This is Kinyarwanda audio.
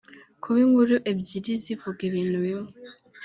Kuba inkuru ebyiri zivuga ibintu bimwe